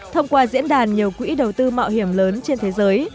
thông qua diễn đàn nhiều quỹ đầu tư mạo hiểm lớn trên thế giới